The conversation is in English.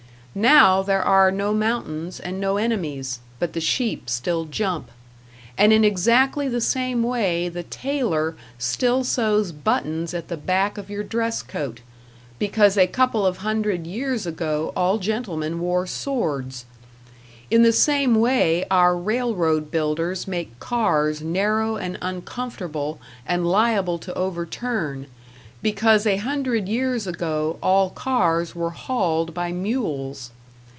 Now there are no mountains and no enemies, but the sheep still jump. And in exactly the same way the tailor still sews buttons at the back of your dress coat, because a couple of hundred years age all gentlemen wore swords; in the same way our railroad builders make cars narrow and uncomfortable and liable to overturn, because a hundred years ago all cars were hauled by mules.